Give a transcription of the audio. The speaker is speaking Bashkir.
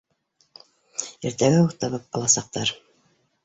Иртәгә үк табып аласаҡтар